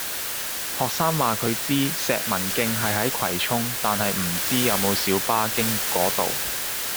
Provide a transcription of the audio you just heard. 學生話佢知石文徑係喺葵涌，但係唔知有冇小巴經嗰度